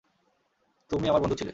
তুমি আমার বন্ধু ছিলে!